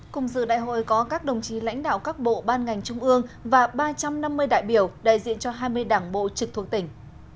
cùng dự đại hội có các đồng chí lãnh đạo các bộ ban ngành trung ương và ba trăm năm mươi đại biểu đại diện cho hai mươi đảng bộ trực thuộc tỉnh